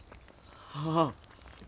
ああ。